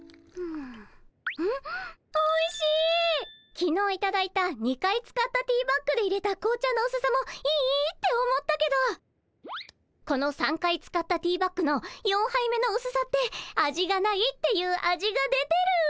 きのういただいた２回使ったティーバッグでいれた紅茶のうすさもいいって思ったけどこの３回使ったティーバッグの４杯目のうすさって味がないっていう味が出てる！